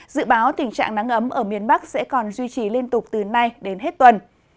dự báo tình trạng nắng ấm ở miền bắc sẽ còn duy trì liên tục từ nay đến hết tuần